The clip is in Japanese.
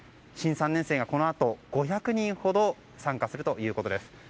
新３年生がこのあと５００人ほど参加するということです。